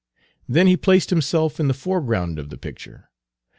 Then he placed himself in the foreground of the picture.